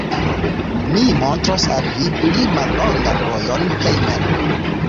Mi montros al vi pli mallongan vojon hejmen.